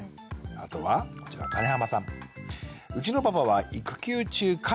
あとはこちら金濱さん。